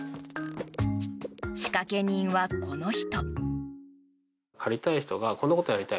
仕掛け人は、この人。